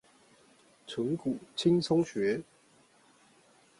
存股輕鬆學